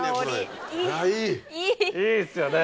いいですよね。